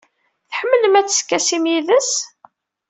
Tḥemmlem ad teskasim yid-s?